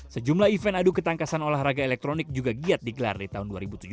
sejumlah event adu ketangkasan olahraga elektronik juga giat digelar di tahun dua ribu tujuh belas